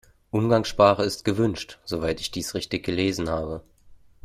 Umgangssprache ist gewünscht, soweit ich dies richtig gelesen habe.